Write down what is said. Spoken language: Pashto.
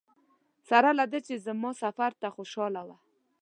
سره له دې چې زما سفر ته خوشاله وه.